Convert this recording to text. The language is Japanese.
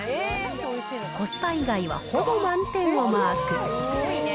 コスパ以外はほぼ満点をマーク。